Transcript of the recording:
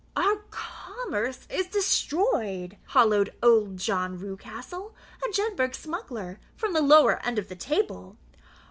"Our commerce is destroyed," hollowed old John Rewcastle, a Jedburgh smuggler, from the lower end of the table.